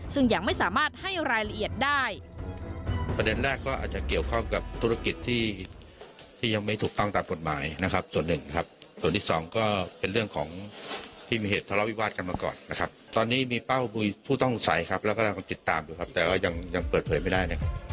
ซึ่งยังไม่สามารถให้รายละเอียดได้